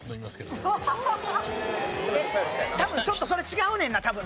多分ちょっとそれ違うねんな多分。